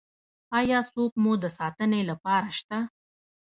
ایا څوک مو د ساتنې لپاره شته؟